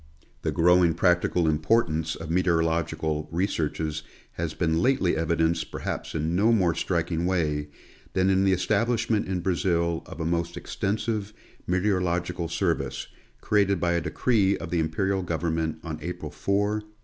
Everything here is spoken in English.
The growing practical importance of meteorological researches has been lately evidenced perhaps in no more striking way than in the establishment in Brazil of a most extensive meteorological service, created by a decree of the Imperial government on April 4, 1888.